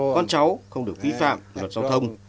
con cháu không được vi phạm luật giao thông